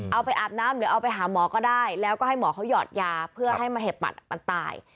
เอาไปอาบน้ำหรือเอาไปหาหมอก็ได้แล้วก็ให้หมอเขาหยอดยาเพื่อให้มะเห็บปัดมันตาย